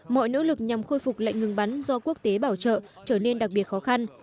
mọi nỗ lực nhằm khôi phục lệnh ngừng bắn do quốc tế bảo trợ trở nên đặc biệt khó khăn